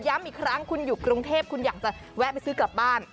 อีกครั้งคุณอยู่กรุงเทพคุณอยากจะแวะไปซื้อกลับบ้าน